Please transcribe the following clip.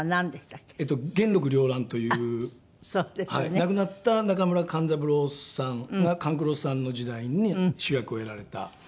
亡くなった中村勘三郎さんが勘九郎さんの時代に主役をやられた。